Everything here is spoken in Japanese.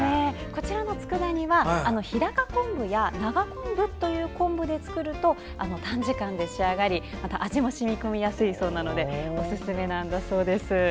こちらのつくだ煮は日高昆布や長昆布という昆布で作ると短時間で仕上がり味も染み込みやすいそうなのでおすすめなんだそうです。